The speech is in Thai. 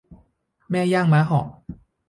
แม่ย่างม้าเหาะ